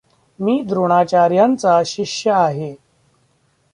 मी द्रोणाचार्यांचा शिष्य आहे.